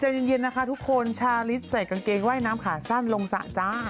เย็นนะคะทุกคนชาลิสใส่กางเกงว่ายน้ำขาสั้นลงสระจ้า